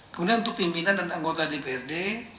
kemudian untuk pimpinan dan anggota dprd